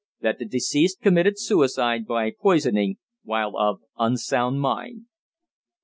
"That the deceased committed suicide by poisoning while of unsound mind."